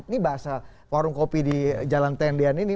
ini bahasa warung kopi di jalan tendian ini